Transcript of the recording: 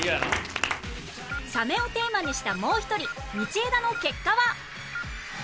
サメをテーマにしたもう一人道枝の結果は？